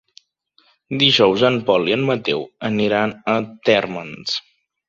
Dijous en Pol i en Mateu aniran a Térmens.